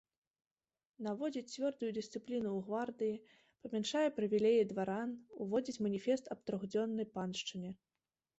Наводзіць цвёрдую дысцыпліну ў гвардыі, памяншае прывілеі дваран, уводзіць маніфест аб трохдзённай паншчыне.